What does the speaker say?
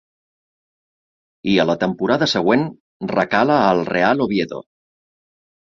I a la temporada següent, recala al Real Oviedo.